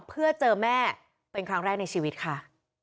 เพื่อเจอแม่เป็นครั้งแรกในชีวิตค่ะ